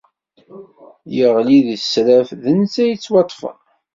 Yeɣli di tesraft, d netta i yettwaṭṭfen